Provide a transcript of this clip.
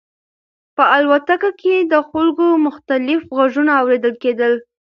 په الوتکه کې د خلکو مختلف غږونه اورېدل کېدل.